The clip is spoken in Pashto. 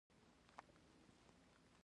بله ډله دې په متن کې جمع کلمې پیدا کړي.